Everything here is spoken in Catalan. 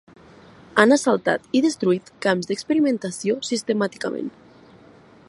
Han assaltat i destruït camps d’experimentació sistemàticament.